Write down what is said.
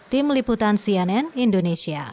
tim liputan cnn indonesia